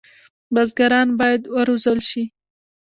بزګران باید وروزل شي.